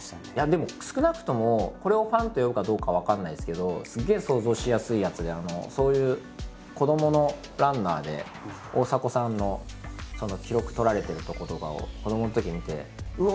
でも少なくともこれをファンと呼ぶかどうか分かんないですけどすげえ想像しやすいやつでそういう子どものランナーで大迫さんの記録とられてるとことかを子どものときに見てうお！